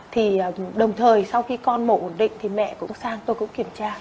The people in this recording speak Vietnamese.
thì đồng thời sau khi con mổ ổn định thì mẹ cũng sang tôi cũng kiểm tra